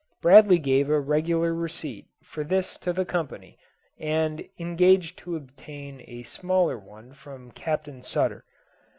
Bradley gave a regular receipt for this to the company, and engaged to obtain a similar one from Captain Sutter.